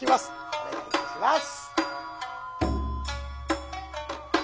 お願いいたします。